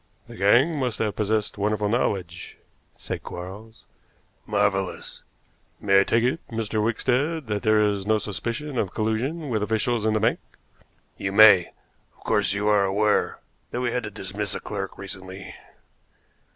"The gang must have possessed wonderful knowledge," said Quarles. "Marvelous." "May I take it, Mr. Wickstead, that there is no suspicion of collusion with officials in the bank?" "You may. Of course, you are aware that we had to dismiss a clerk recently?"